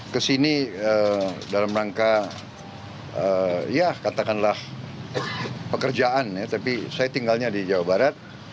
kesini dalam rangka ya katakanlah pekerjaan ya tapi saya tinggalnya di jawa barat